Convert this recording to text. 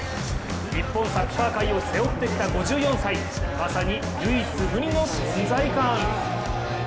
日本サッカー界を背負ってきた５４歳、まさに唯一無二の存在感。